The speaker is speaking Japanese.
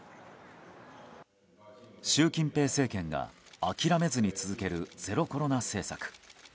習近平政権が諦めずに続けるゼロコロナ政策。